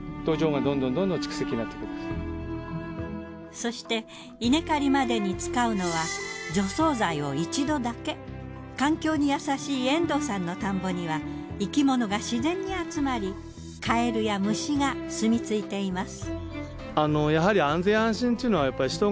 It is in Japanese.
そして稲刈りまでに使うのは環境に優しい遠藤さんの田んぼには生き物がしぜんにあつまりカエルや虫が住みついています。